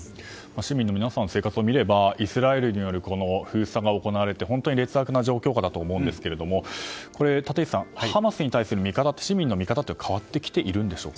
市民の皆さんの生活を見ればイスラエルによる封鎖が行われて本当に劣悪な状況下だと思うんですが立石さん、ハマスに対する市民の見方は変わってきているんでしょうか？